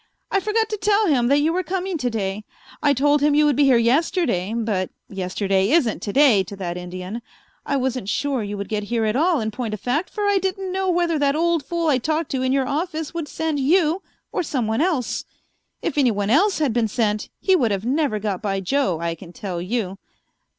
"I forgot to tell him that you were coming to day. I told him you would be here yesterday, but yesterday isn't to day to that Indian. I wasn't sure you would get here at all, in point of fact, for I didn't know whether that old fool I talked to in your office would send you or some one else. If anyone else had been sent, he would have never got by Joe, I can tell you.